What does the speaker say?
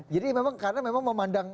jadi memang karena memang memandang